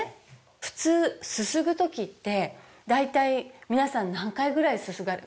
普通すすぐ時って大体皆さん何回ぐらいすすがれますか？